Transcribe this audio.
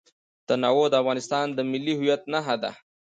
تنوع د افغانستان د ملي هویت نښه ده.